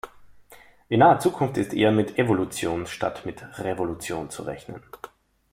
In naher Zukunft ist eher mit Evolution statt mit Revolution zu rechnen.